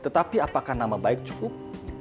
tetapi apakah nama baik cukup